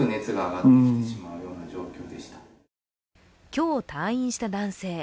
今日、退院した男性。